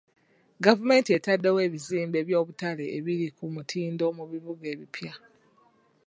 Gavumenti etaddewo ebizimbe by'obutale ebiri ku mutindo mu bibuga ebipya.